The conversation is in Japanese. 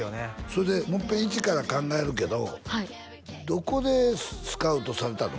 それでもう一遍一から考えるけどどこでスカウトされたの？